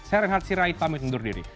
saya renhard sirai pamit undur diri